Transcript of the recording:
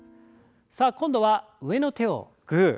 さあ今度は上の手をグー。